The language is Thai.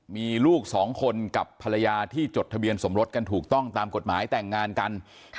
มีลูกสองคนกับภรรยาที่จดทะเบียนสมรสกันถูกต้องตามกฎหมายแต่งงานกัน